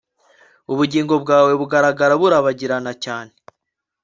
ubugingo bwawe bugaragara burabagirana cyane